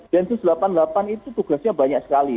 densus delapan puluh delapan itu tugasnya banyak sekali